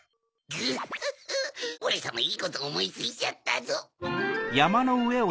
グッフフオレさまいいことおもいついちゃったぞ。